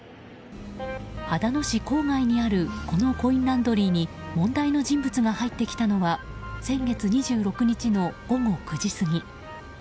秦野市郊外にあるこのコインランドリーに問題の人物が入ってきたのは先月２６日の午後９時過ぎ。